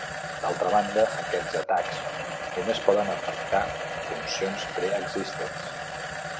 D'altra banda, aquests atacs només poden afectar funcions preexistents.